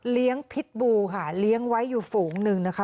พิษบูค่ะเลี้ยงไว้อยู่ฝูงหนึ่งนะคะ